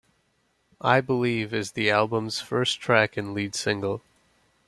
"I Believe" is the album's first track and lead single.